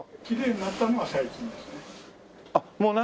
きれいになったのは最近ですね。